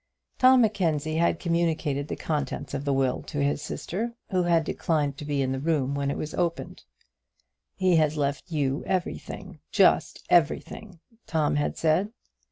Tom Mackenzie had communicated the contents of the will to his sister, who had declined to be in the room when it was opened. "He has left you everything, just everything," Tom had said.